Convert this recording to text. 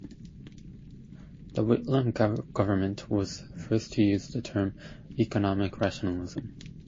The Whitlam government was first to use the term economic rationalism.